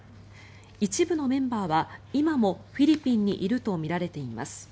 一部のメンバーは今もフィリピンにいるとみられています。